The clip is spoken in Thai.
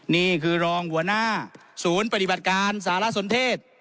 นี่คือรองหัวหน้าศูนย์ปฏิบัติการสารสนเทศ